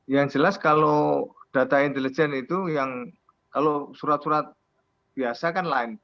yang jelas kalau data intelijen itu yang kalau surat surat biasa kan lain